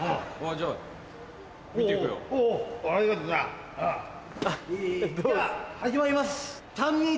じゃあ始まります。